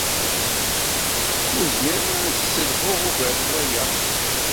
Ur zmireɣ ad t-sselhuɣ ugar n waya.